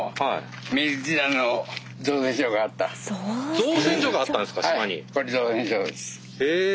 造船所があったんですか？